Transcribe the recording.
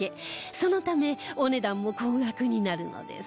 そのためお値段も高額になるのです